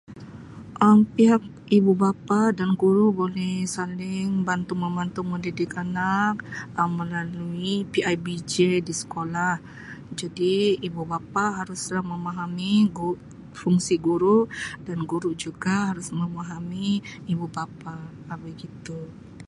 Um Pihak ibu bapa dan guru boleh saling bantu-membantu mendidik anak Um melalui PIBG di sekolah jadi ibu bapa haruslah memahami gu- fungsi guru dan guru juga harus memahami ibu bapa Um begitu.